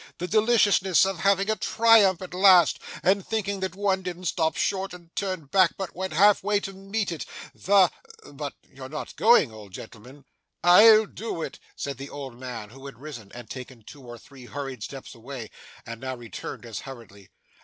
The deliciousness of having a triumph at last, and thinking that one didn't stop short and turn back, but went half way to meet it! The but you're not going, old gentleman?' 'I'll do it,' said the old man, who had risen and taken two or three hurried steps away, and now returned as hurriedly.